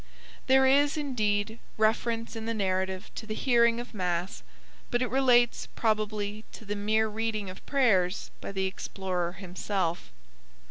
There is, indeed, reference in the narrative to the hearing of mass, but it relates probably to the mere reading of prayers by the explorer himself.